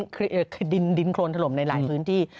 คือดินโครนถล่มในหลายพื้นที่